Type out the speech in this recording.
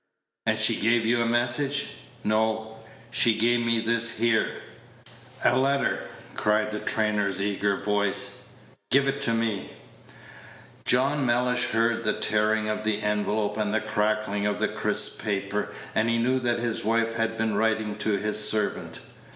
"And she gave you a message?" "No, she gave me this here." "A letter!" cried the trainer's eager voice: "give it me." John Mellish heard the tearing of the envelope and the crackling of the crisp paper, and knew that his wife had been writing to his servant.